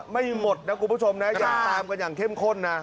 ไม่หมดนะคุณผู้ชมนะยังตามกันอย่างเข้มข้นนะ